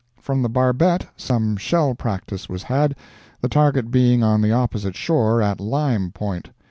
From the barbette, some shell practice was had, the target being on the opposite shore, at Lime Point.